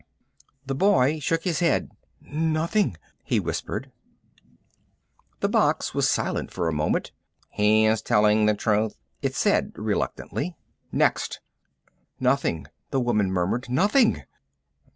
The boy shook his head. "Nothing," he whispered. The box was silent for a moment. "He is telling the truth," it said reluctantly. "Next!" "Nothing," the woman muttered. "Nothing."